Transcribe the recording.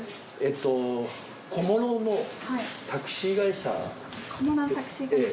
小諸のタクシー会社。